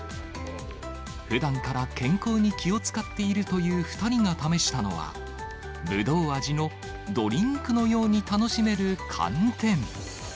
ふだんから健康に気を遣っているという２人が試したのは、ブドウ味のドリンクのように楽しめる寒天。